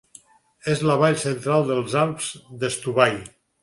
És la vall central dels Alps de l'Stubai.